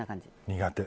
苦手。